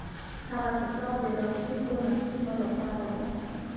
هغه کتاب د راتلونکو نسلونو لپاره و.